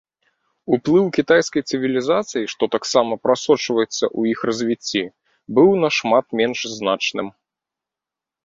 Уплыў кітайскай цывілізацыі, што таксама прасочваецца ў іх развіцці, быў нашмат менш значным.